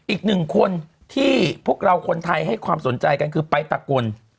อีกหนึ่งคนที่พวกเราคนไทยให้ความสนใจกันคือไปตะกล